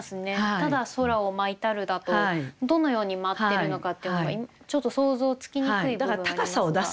ただ「宙を舞ひたる」だとどのように舞ってるのかっていうのがちょっと想像つきにくい部分はありますが。